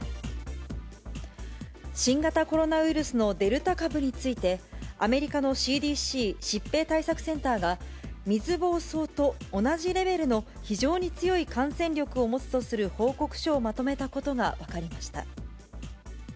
新型コロナウイルスのデルタ株について、アメリカのＣＤＣ・疾病対策センターが、水ぼうそうと同じレベルの非常に強い感染力を持つとする報告書をまとめたことが分かりました。